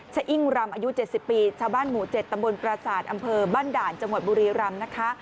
อิ้งรำอายุ๗๐ปีชาวบ้านหมู่๗ตำบลประสาทอำเภอบ้านด่านจังหวัดบุรีรำนะคะ